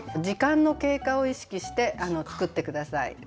時間の経過を意識して作って下さい。